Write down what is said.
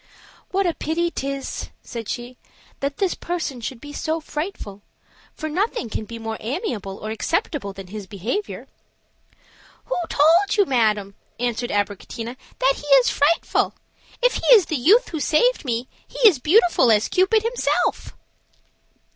"What pity 'tis," said she, "that this person should be so frightful, for nothing can be more amiable or acceptable than his behavior!" "Who told you, madam," answered Abricotina, "that he is frightful? If he is the youth who saved me, he is beautiful as Cupid himself."